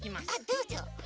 どうぞ。